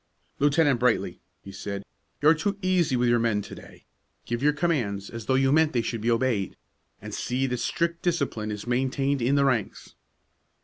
"Lieutenant Brightly," he said, "you are too easy with your men to day. Give your commands as though you meant they should be obeyed, and see that strict discipline is maintained in the ranks."